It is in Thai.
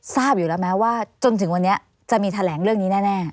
ทราบอยู่แล้วไหมว่าจนถึงวันนี้จะมีแถลงเรื่องนี้แน่